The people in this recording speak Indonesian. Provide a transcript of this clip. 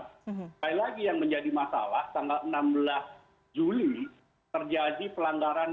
sekali lagi yang menjadi masalah tanggal enam belas juli terjadi pelanggaran